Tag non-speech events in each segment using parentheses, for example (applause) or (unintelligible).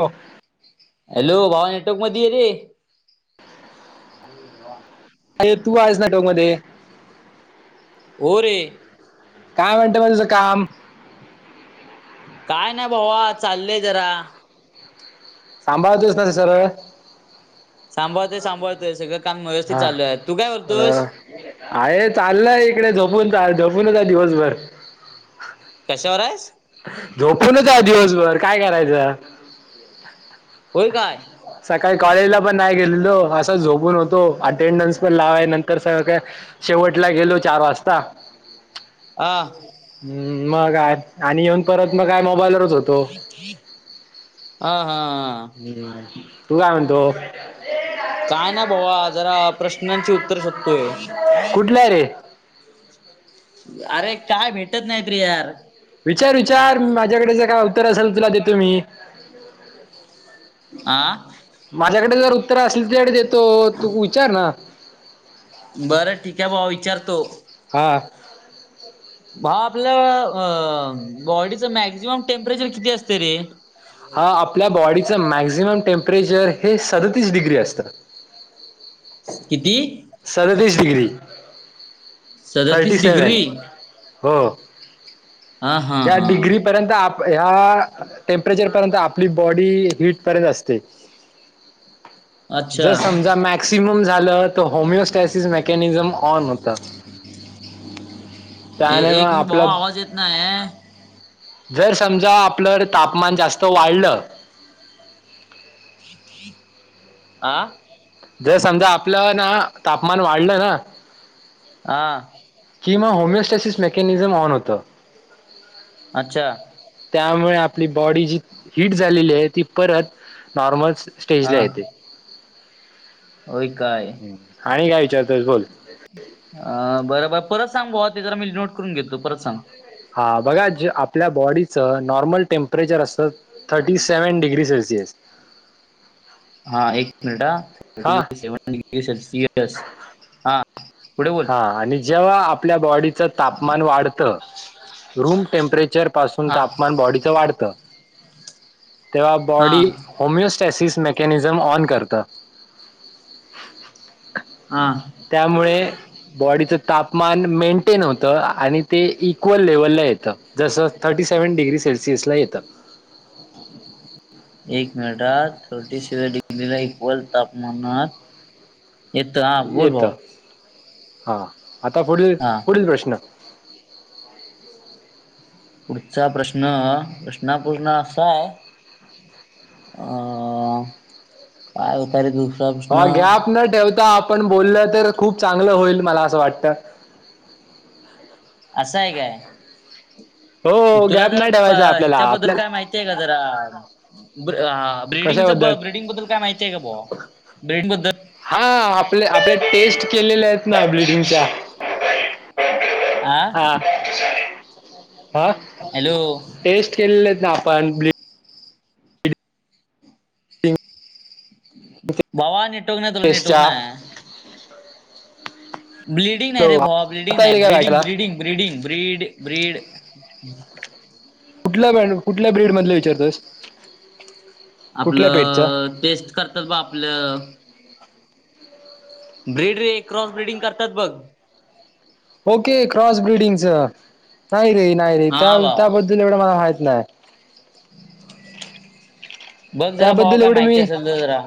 हो हॅलो भावा नेटवर्क मध आहे रे... का तू आहेज नाटोक मध्ये... हो रे काय म्हणते म्हणझं काम..... काय नाही भावा चाललंय जरा.... सांभाळतो ना सरळ सांभाळतय सांभाळतय सगंळ हा अ आहे चाललंय इकडे झोपून चा झोप.. फुल होता दिवसभर.. कशावर आहे.. झोपूनच आहे दिवसभर काय करायचं, होय काय सका काही कॉलेजला पण नाही गेलेलो, असं झोपून होतो अटेंडन्स पण लावाय नंतर सगळं काय शेवट पटला गेलो चार वाजता. हा ह मग आणि येऊन परत मग काय मोबाईलवर होतो, हा हा हम तू काय म्हणतो? काय ना भावा जरा प्रश्नांची उत्तर शोधतोय? कुठला रे अरे काय भेटत नाहीत रे यार. विचार-विचार माझ्याकडेच काय उत्तर असेल तुला देतो मी. आं. माझ्याकडे जर उत्तर असल तूच्याकडे देतो. तू विचार ना. बरं ठीक आहे. भावा विचारतो. हा. भावा आपल. अ-अ बॉडीचं मॅक्झिमम टेम्परेचर किती असते रे. हा आपल्या बॉडीचा मॅक्झिमम टेम्परेजेर हे सदतीस डिग्री असत. किती सदतीस डिग्री. थर्टी सदतीस सेवन डिग्री. हो. हा हा या हा डिग्री पर्यंत आप ह्या टेम्परेचर पर्यंत आपली बॉडी. हिट पर्यंत असते. जर अच्छा समजा मॅक्सिमम झालं तर. होमिओस्टॅसिस मेकॅनिझम ऑन होत. त. ए एक मिनिट. भावा आवाज येत नाही आहे. जर समजा आपलं तापमान जास्त वाढलं. ते ते. आं. जर समजा आपलं ना. तापमान वाढलं ना. आ. किंवा होमिओस्टसिस मेकॅनिझम ऑन होत. अच्छा त्यामुळे आपली बॉडी जी हीट झालेली आहे ती परत नॉर्मलस स्टेजला हा येते. होय काय आणि काय विचारतोयस बोल? अ बरं बरं परत सांग भावा ते जरा मी नोट करून घ घेतो, परत सांग? हा बघा, ज आपल्या बॉडीचं नॉर्मल टेम्परेचर असतं थर्टी सेव्हन डिग्री सेल्सिअस. (unintelligible) हा एक मिनिट ह थर्टि हा सेव्हन डिग्री सेल्सिअस हा. पुढे बोल हा आणि जेव्हा आपल्या बॉडी च तापमान वाढत रूम टेम्परेचर पासून हा तापमान बॉडीच वाढतं. तेव्हा हा बॉडी होमिस्टॅसिस मेकॅनिझम ऑन करत. हा त्यामुळे बॉडी चे तापमान मेंटेन होतं, आणि इक्वल लेवल ला येतं जसं थर्टी सेव्हन डिग्री सेल्सिअस ला येत. एक मिनिटात थर्टी सेवन डिग्रीला इक्वल तापमानात येत हा बोल, येत भावा. हा आता पुढील पुढील प्रश्न? पुढचा प्रश्न प्रश्न पूर्ण असा आहे? अ काय होत रे तू? भावा गॅप न ठेवता, आपण बोललं तर खूप चांगलं होईल. मला असं वाटत. असा आहे काय तुला जरा ह्याच्याबद्दल काय आपल्याला माहितीय का जरा (unintelligible) ब्रिडिंगच कशाबद्दल ब्रिडिंगबद्दल काय माहित आहे का, भावा ब्रेडिंग बद्दल? हा आपले आपले टेस्ट केलेले आहेत ना ब्रिडिंगच्या. आ हा हा हॅलो टेस्ट केलेले आहेत. आपण ब्रि भावा नेटवर्क नाय. तुला नेटवर्क टेस्टच्या नाय. ब्लीडिंग नाही हॅलो रे भावा. ब्लीडिंग आता नाही येईल काय बडिंग ऐकायला ब्रीडिंग ब्रीडिंग ब्रीड ब्रीड कुठल्या ब कुठल्या ब्रीड मधल विचारतोस. कुठल्या पेटचं आपलं टेस्ट करतात बा आपलं ब्रिड रे क्रॉस ब्रिडिंग करतात बघ. ओके क्रॉस ब्रिडिंगच. नाही रे. नाही रे. त्या हा भावा त्याबद्दल एवढं मला माय नाही. बघ जरा भावा त्याबद्दल काय एवढं माहिती मी असेल तर जरा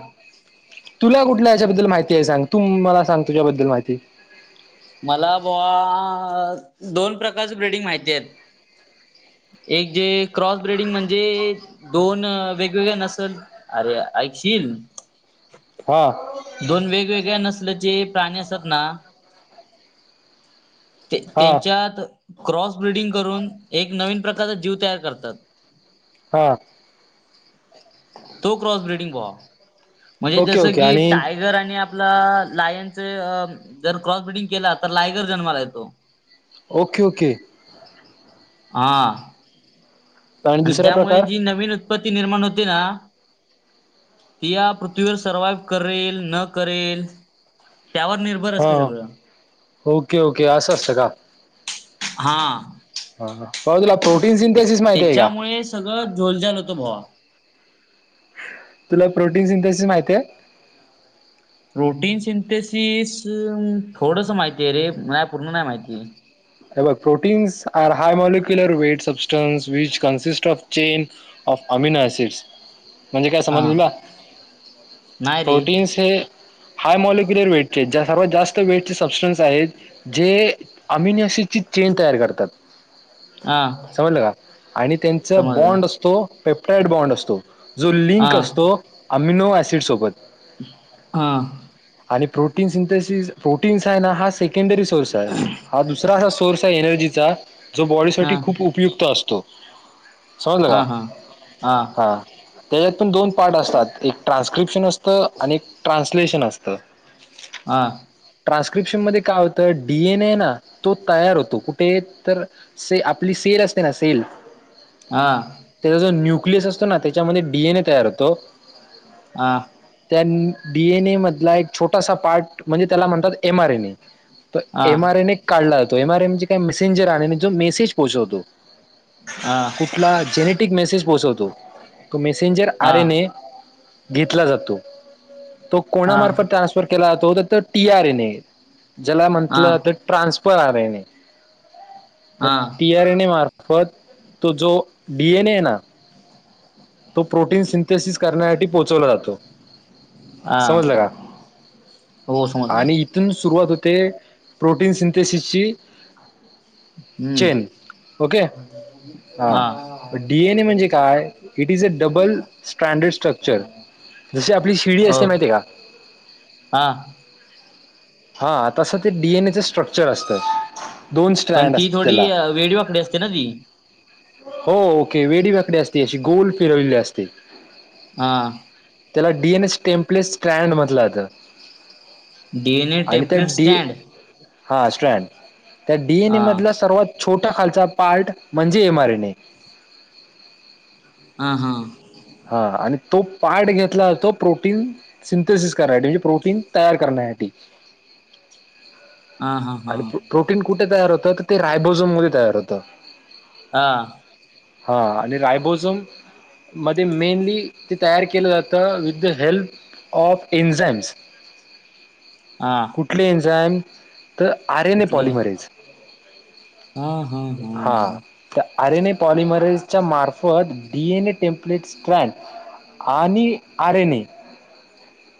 तुला कुठला याच्याबद्दल माहित ते सांग तू मला सांग तुझ्याबद्दल माहिती. मला बवा दोन प्रकारच ब्रेडिंग माहिती आहेत. (inaudible) एक जे क्रॉस ब्रेडिंग म्हणजे दोन वेगवेगळया नसल अरे ऐकशील. हा दोन वेगवेगळ्या नसलचे प्राणी असतात ना. ते हा त्यांच्यात क्रॉस बिडिंग करून, एक नवीन प्रकारचा जीव तयार करतात. हां तो क्रॉस ब्रीडिंग भावा. म्हणजे ओके जस ओके की आणि टायगर आणि आप लायनचे जर अ क्रॉस बिडिंग केला तर लायगर जन्माला येतो. ओके ओके हा आणि दुसरा त्यामुळे प्रकार जी नवीन उत्पत्ती निर्माण होते ना ती या पृथ्वीवर सर्वाइव्ह करेल. ना करेल. त्यावर निर्भर हा असते सगळं ओके ओके असं असतं का हा हा हा बाबा तुला प्रोटीन सिंथेसिस माहिती आहे का त्याच्यामुळे सगळं झोलझाल होतो भावा. तुला प्रोटीन सिंथसी माहिती आहे. प्रोटीन सिंथेसिस थोडस माहितीय आहे रे, नाही पूर्ण नाही माहिती. हे बघ proteins are high molecular weight substance which consist of chain of amino acids. म्हणजे काय हा समजले बा नाही रे प्रोटनस हे हाय मलिक्युलर वेटचे सर्वात जास्त वेटचे सबस्टन्स आहेत जे अमिनि चेन तयार करतात. हा समजलं का आणि त्यांचा समजलं बॉन्ड असतो पेप्टाइट बॉन्ड असतो. जो हा लिंक असतो अमिनो ऍसिड सोबत. हा आणि प्रोटीन सिंथेसीस प्रोटीन्स आहे ना हा सेकंडरी सोर्स आहे हा दु असा सोर्स आहे एनर्जीचा जो हा बॉडीसाठी हा खूप उपयुक्त असतो. समजल का हा हा हा त्याच्यात पण दोन पार्ट असतात. एक ट्रान्स्क्रिप्शन अस त आणि ट्रान्सलेशन असतं. हा ट्रान्स्क्रिप्शन मध्ये काय होतं डीएनए ना तो तयार होतो कुठे तर से आपली सेल असते ना सेल हा त्याचा जो न्युक्लिअस असतो ना त्याच्यामध्ये डीएनए तयार होतो. आ त्या डी एन एमधला एक छोटासा पार्ट म्हणजे त्याला म्हणतात एम आर एन ए. हा हा एमआरए न काढला जातो एमआरएमचे म्हणजे काय, मेसेंजर आहे जो मसेज पोहचवतो. (inaudible) कुठला जेनेटिक मेसेज पोहोचवतो तो मेसेंजर आरयनय घेतला जातो तो कोणामार्फत ट्रान्सफर केला जातो. तर तो टी आर ए ज्याला हा म्हंटलं तर ट्रान्सफर आरयने तर हा टी आर एन मार सफत तो जो डी एन ए ना तो प्रोटीन सिंथेसिस करण्यासाठी पोहोचवला जातो. हा समजलं का हो समजलं आणि इथून सुरुवात होती. ते प्रोटीन सिंथेसिसची. हम्म चेन ओके. हा डीएन ए म्हणजे काय it is a double standard structure जशी आपली शिडी हो असते माहिती आहे का. हा. हा तसं ते डीएनएचं स्ट्रक्चर. क्चर असतं दोन पण स्टँड अस ती थोडी त्याला. वेडीवाकडी असते ना ती हो ओके वेडीबाकडी असते अशी गोल फिरवले असते. हा त्याला डीएन एस टेम्पलेस स्ट्रँड म्हटलं जातं. आणि त्या टेम्पल डी स्टँड. हा स्ट्रँड त्या डीएनए हा मधला सर्वात. छोटा खालचा पार्ट म्हणजे एमआर एन ए हा हा. हा आणि तो पाठ घेतला तो प्रोटीन सिंथेसिस करण्या म्हणजे प्रोटीन तयार करण्या. न्यासाठी. हा हा हा आणि प्रोटीन कुठे तयार होतं तर ते रायबोजोम मध्ये तयार होतं. हा. हा आणि रायबोजून. मध्ये मेनली ते तयार केलं जातं with the help of enzymes. हा कुठले एंझाम तर आरेने कुठले पॉलिमरेच. हा हा हा तर अरेने. मरेच्या मार्फत डीएनए टेम्प्लेटपॅन. आणि आर एन ए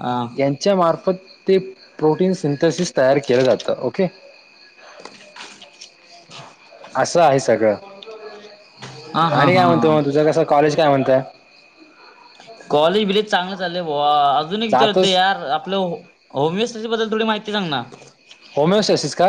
हा यांच्या मार्फत. ते प्रोटीन सिंथसिस तयार केलं जातं ओके. असं आहे सगळं. हा हा आणि काय हा म्हणत मग तुझं कस कॉलेज काय म्हणत. कॉलेज बिलेज चांगलं चाललंय भावा अजून एक विचारत जातोस यार आपलं होमिस्ट्री बद्दल. थोडी माहिती सांग ना. होमिओसोसिस का,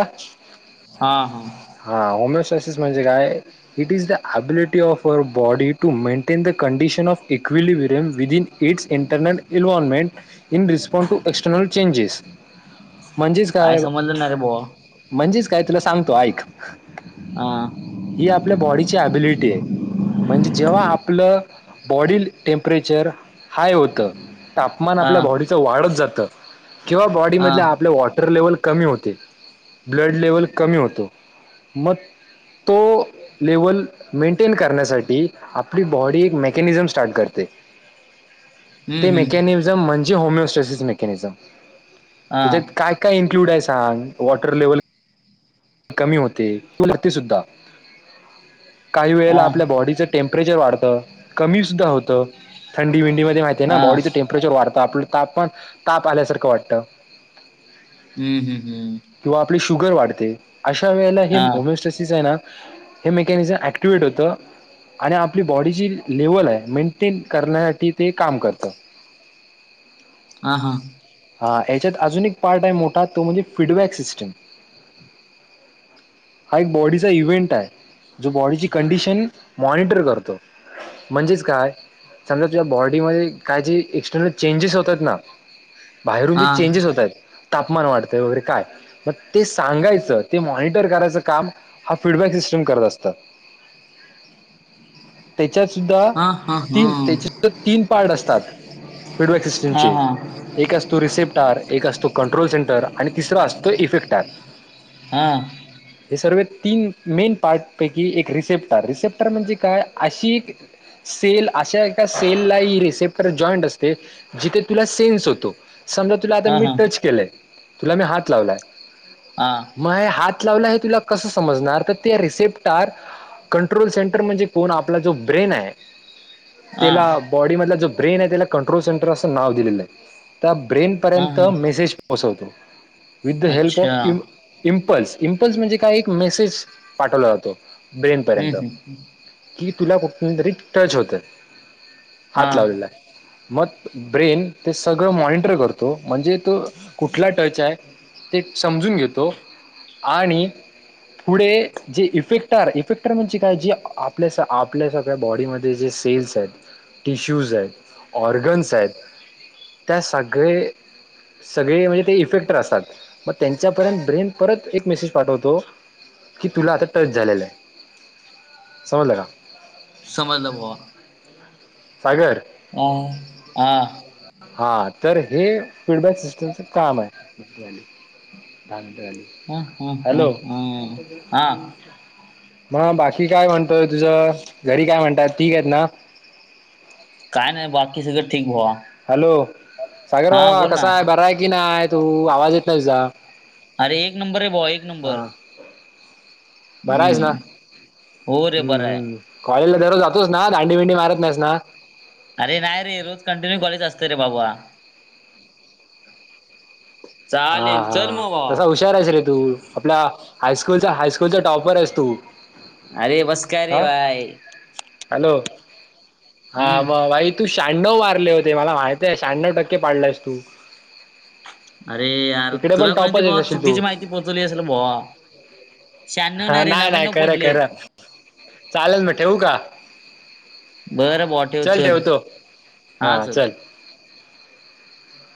हा हा हा होमिोससिस म्हणजे काय it is the ability of your body to maintain the. Condition of equilibrium within its internal environment. In response to external चचेजेस. म्हणजेच काय समजलं ना रे भावा म्हणजेच काय तुला सांगतो ऐक. हा ही आपल्या बॉडीची अबिलटी. म्हणजे जेव्हा आपलं बॉडी टेमपरेचर हाय होतं. तापमान हा आपल्या बॉडीचं वाढत जात किंवा बॉडी हा मधल्या आपल्या वॉटर लेव्हल. कमी होते ब्लड लेवल कमी होतो मग. तो लेवल मेंटेन करण्यासाठी आपली बॉडी एक मेकॅनिझम स्टार्ट करते. ते हम्म हम्म मेकॅनिझम म्हणजे होमिओस्टॅसिस मेकॅनिझम. हा त्याच्यात काय काय इन्क्लूड आहे सांग वॉटर लेवल. कमी होते तगते सुद्धा काही हा वेळेला आपल्या बॉडीचे टेमपर. टेम्रेचर वाढतं कमीसद्ध होतंथंडी विंडीमध्ये माहिती आहे ना हा बॉडीचं टेमपरेचर वाढतं आपलं. तापण ताप आल्यासारखं वाटत. हम्म हम्म हम्म शुगर वाढते अशा वेळेला हे हा होमिोस्टॅसिस आहे ना. हे मेकॅनिझम ऍक्टिवेट होतं. आणि आपली बॉडी जी लेवल आहे मेंटेन करण्यासाठी ते काम करत (unintelligible) हा हा. हा याच्यात अजून एक पार्ट टाईम मोठा तो म्हणजे फीडबॅक सिस्टम हा एक बॉडीचा इव्हेंट आहे जो बॉडीची कंडिशन मॉनिटर करतो. म्हणजेच काय समजा तुझ्या बॉडीमध्ये काय जे एक्स्टर्नल चेंजेस होतात ना, बाहेरून जे हा चेंजेस होत आहेत तापमान वाढतं वगैरे काय मग ते सांगायचं ते मॉनिटर करायचं काम हा फीडबॅक स असत ते त्याच्यात सुद्धा हा हा तीन हा त्याचे (unintelligible) तीन पार्ट असतात फीडबॅक सिस्टमचे. हा हा एक असतो रिसेिप्टार एक असतो कंट्रोल सेंटर आणि तिसरा असतो इफेक्टार हा. हे सर्व तीन मेन पार्ट पैकी एक रिसेप्टर, रिसेप्टर म्हणजे काय अशी एक सेल अशा एका सेल ला रिसेप्टर जॉईंट असते. जिथे तुला से जोतो समजा तुला आ हा मी हा टच केलंय तुला मी हात लावलाय हा म हे हात लावला हे तुला कस समजणार तर ते रिसेप्टार कंट्रोल सेंटर म्हणजे कोण आपला जो ब्रेन आहे. हा हा त्याला बॉडी मधला जो ब्रेन आहे त्याला कंट्रोल सेंटर असं नाव दिलेलं आहे. त्या ब्रेन हा पर्यंत मेसेज पोहोचवतो विथ द हेल्प अच्छा ऑफ इ हम्म पिपल्स, पिंपल्स म्हणजे काय एक मेसेज पाठवला जातो. ब्रेन पर्यंत हम्म कि तुला कुठ तरी टच होत हा हात लावलेला. मग ब्रेन ते सगळं मॉनिटर करतो म्हणजे तो कुठला टच आहे. ते समजून घेतो आणि पुढे जे इफेक्टार इफेक्टर म्हणजे काय जी आपल्या स आपल्या सगळ्या बॉडीमध्ये जे सेल्स आहेत टिश्यूज आहेत ऑर्गन्स आहेत. त्या सगळे सगळे म्हणजे ते इफेक्टर असतात मग त्यांच्यापर्यंत ब्रेन परत एक मेसेज पाठवतो. कि तुला आ, ता टच झालेलं आहे समजलं का? समजलं सागर ऑ हा. हा तर हे फीडबॅक सिस्टमच काम आहे. हा हा हा हॅलो. हा हा मग बाकी काय म्हणतोय तुझ घरी काय म्हणतात. ठीक आहेत ना, काय नाही बाकी सगळं ठीक बॉ हॅलो सागर बाबा ना कसा आहे बरा आहे की नाही तू आवाज येत नाही तुझा. अरे एक नंबर आहे बोवा एक नंबर बरं आहेच ना हम्म हो रे बरं आहे हम्म कॉलेजल दररोज जातोच ना दांडी विंडी मारत नाहीस ना, अरे नाही रे रोज कंटिन्यू कॉलेज असत रे बाबा हा चालेल हा चल मग भावा तसा हुशार आहेस रे तू आपल्या हायस्कूलचा, हायस्कूलचा टॉपर आहेस तू ह (inaudible) अरे बस्कार रे भाय हॅलो हा मग हम्म आई तू श शहाण्णव मारले होते मला माहितय शहाण्णव टक्के पाडलायस तू अरे यार इकडे पण तुला कोणीती टॉपच येत बॉ असशील तू चुकीची माहिती पोहोचवली असेल बॉ हा नाही नाही कर कर चालेल म ठेवू का बरं बॉ ठेव चल ठेवतो हा चल. ह (unintelligible)